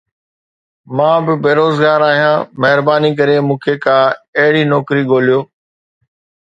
مان به بيروزگار آهيان، مهرباني ڪري مون کي ڪا اهڙي نوڪري ڳوليو